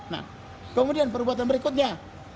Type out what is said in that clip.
nah kemudian perbuatan berikutnya